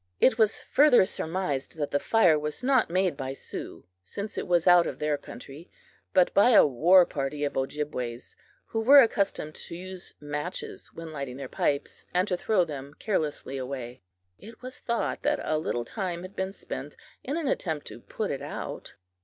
It was further surmised that the fire was not made by Sioux, since it was out of their country, but by a war party of Ojibways, who were accustomed to use matches when lighting their pipes, and to throw them carelessly away. It was thought that a little time had been spent in an attempt to put it out.